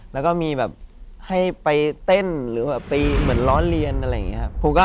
แล้วก็มีแบบให้ไปเต้นหรือแบบไปเหมือนล้อเลียนอะไรอย่างนี้ครับ